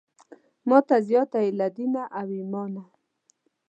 ماته زیاته یې له دینه او ایمانه.